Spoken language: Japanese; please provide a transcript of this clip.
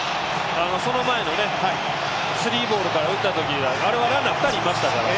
その前のスリーボールから打ったときは、あれはランナー、２人いましたから。